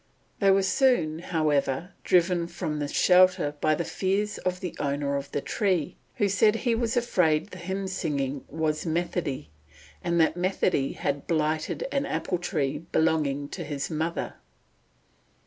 They were soon, however, driven from this shelter by the fears of the owner of the tree, who said he was afraid the hymn singing was "methody," and that "methody" had blighted an apple tree belonging to his mother!